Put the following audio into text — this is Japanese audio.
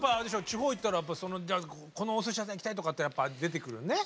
地方行ったらこのお寿司屋さん行きたいとかってやっぱ出てくるね。